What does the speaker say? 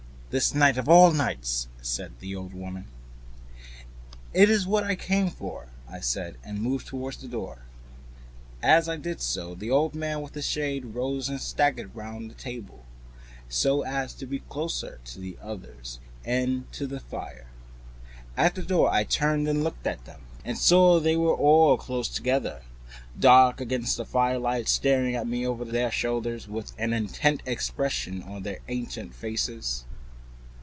"This night of all nights!" whispered the old woman. "It is what I came for," I said, and moved toward the door. As I did so, the old man with the shade rose and staggered round the table, so as to be closer to the others and to the fire. At the door I turned and looked at them, and saw they were all close together, dark against the firelight, staring at me over their shoulders, with an intent expression on their ancient faces.